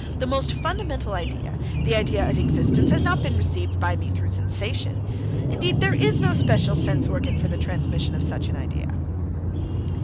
The most fundamental idea, the idea of existence, has not been received by me through sensation; indeed, there is no special sense organ for the transmission of such an idea."